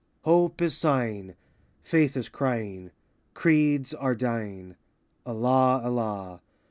Hope is sighing, Faith is crying, Creeds are dying,— Allah, Allah!